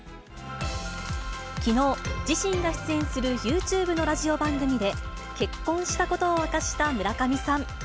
きのう、自身が出演するユーチューブのラジオ番組で結婚したことを明かした村上さん。